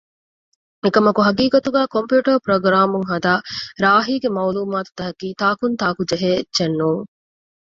އެކަމަކު ޙަޤީޤަތުގައި ކޮމްޕިއުޓަރު ޕްރޮގްރާމުން ހަދާ ރާހީގެ މަޢުލޫމާތު ތަކަކީ ތާނކުންތާކު ޖެހޭ އެއްޗެއް ނޫން